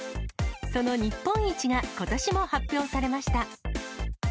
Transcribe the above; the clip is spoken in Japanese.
その日本一が、ことしも発表されました。